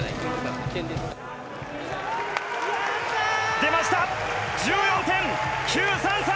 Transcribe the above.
出ました１４．９３３！